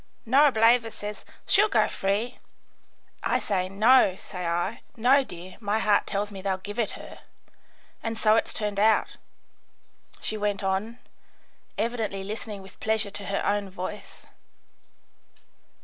Norableva says, 'She'll go free.' I say, 'No,' say I. 'No, dear, my heart tells me they'll give it her.' And so it's turned out," she went on, evidently listening with pleasure to her own voice.